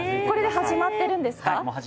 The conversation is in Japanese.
これで始まってるんですか？